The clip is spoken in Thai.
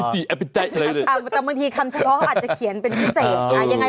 แต่บางทีคำเฉพาะอาจจะเขียนเป็นพิเศษ